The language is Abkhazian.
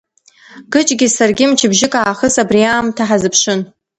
Гыџгьы саргьы мчыбжыьк аахыс абри аамҭа ҳазыԥшын!